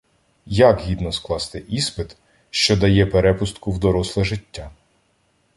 Як гідно скласти іспит, що дає перепустку в доросле життя?